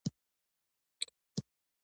ځکه چې هغوى يې مسلمانان کړل.